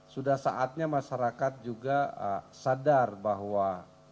sudah saatnya masyarakat juga sadar bahwa